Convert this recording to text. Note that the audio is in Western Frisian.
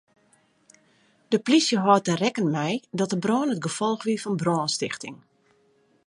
De plysje hâldt der rekken mei dat de brân it gefolch wie fan brânstichting.